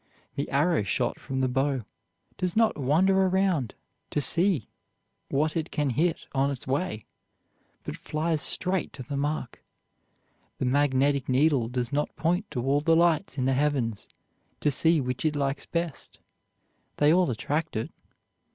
The arrow shot from the bow does not wander around to see what it can hit on its way, but flies straight to the mark. The magnetic needle does not point to all the lights in the heavens to see which it likes best. They all attract it.